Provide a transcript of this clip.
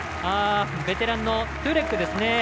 ベテランのトュレックですね。